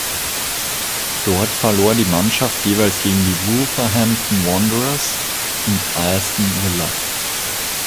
Dort verlor die Mannschaft jeweils gegen die Wolverhampton Wanderers und Aston Villa.